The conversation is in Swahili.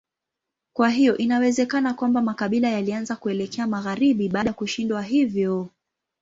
Kwa hiyo inawezekana kwamba makabila yalianza kuelekea magharibi baada ya kushindwa hivyo.